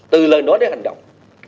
từ lời nói đến hành động